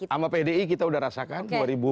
sama pdi kita udah rasakan